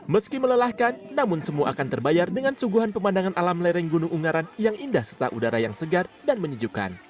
meski melelahkan namun semua akan terbayar dengan suguhan pemandangan alam lereng gunung ungaran yang indah setelah udara yang segar dan menyejukkan